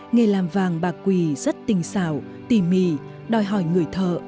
nghề làm vàng bạc quỳ rất tình xạo tỉ mì đòi hỏi người thợ